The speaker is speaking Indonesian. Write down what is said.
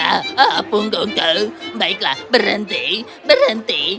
ah ah ah punggung kau baiklah berhenti berhenti